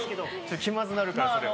気まずなるから、それは。